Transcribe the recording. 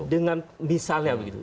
iya dengan misalnya begitu